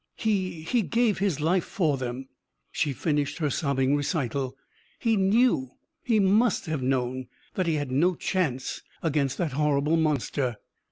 "He he gave his life for them!" she finished her sobbing recital. "He knew, he must have known, that he had no chance against that horrible monster.